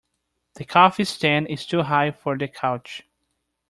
The coffee stand is too high for the couch.